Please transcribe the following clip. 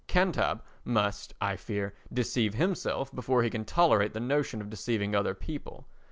"Cantab" must, I fear, deceive himself before he can tolerate the notion of deceiving other people.